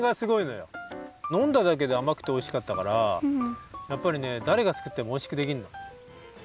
のんだだけであまくておいしかったからやっぱりねだれが作ってもおいしくできるの。